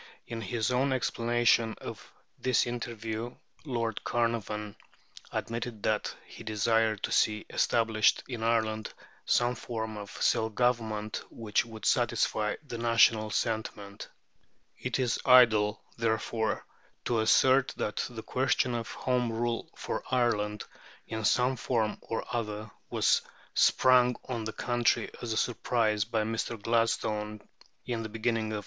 In his own explanation of this interview Lord Carnarvon admitted that he desired to see established in Ireland some form of self government which would satisfy "the national sentiment." It is idle, therefore, to assert that the question of Home Rule for Ireland, in some form or other, was sprung on the country as a surprise by Mr. Gladstone in the beginning of 1886.